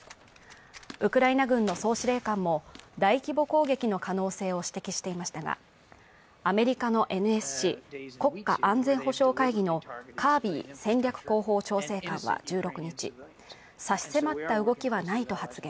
ウクライナ軍の総司令官も大規模攻撃の可能性を指摘していましたが、アメリカのＮＳＣ＝国家安全保障会議のカービー戦略広報調整官は１６日差し迫った動きはないと発言。